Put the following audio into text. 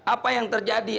apa yang terjadi